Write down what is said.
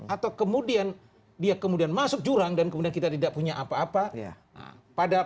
atau kemudian dia kemudian masuk jurang dan kemudian kita tidak punya apa apa